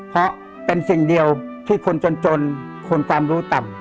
เพราะเป็นสิ่งเดียวที่คนจนคนความรู้ต่ำ